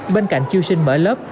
bên cạnh chiêu sinh mở lớp